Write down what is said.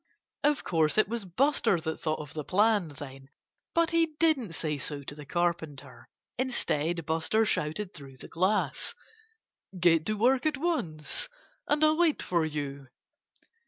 Of course it was Buster that thought of the plan, then; but he didn't say so to the Carpenter. Instead, Buster shouted through the glass: "Get to work at once! And I'll wait for you."